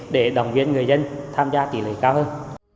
để đồng viên người dân tham gia tỷ lệ cao hơn